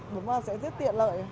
đúng là sẽ rất tiện lợi